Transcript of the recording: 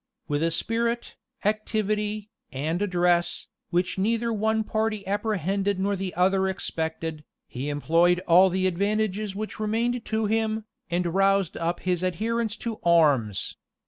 With a spirit, activity, and address, which neither the one party apprehended nor the other expected, he employed all the advantages which remained to him, and roused up his adherents to arms.